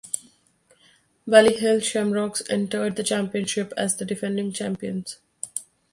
Ballyhale Shamrocks enetred the championship as the defending champions.